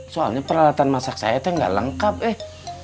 soalnya peralatan masak saya tuh gak lengkap eh